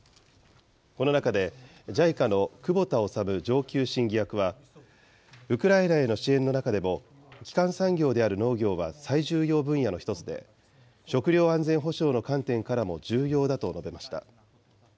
この中で、ＪＩＣＡの窪田修上級審議役は、ウクライナへの支援の中でも基幹産業である農業は最重要分野の一つで、食料安全保障の観点からも重要だと述べました。